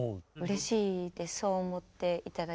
うれしいですそう思って頂けて。